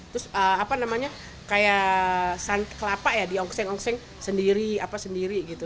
terus apa namanya kayak kelapa ya diongseng ongseng sendiri apa sendiri gitu